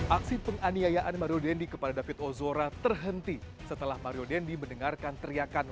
aksi penganiayaan mario dendi kepada david ozora terhenti setelah mario dendi mendengarkan teriakan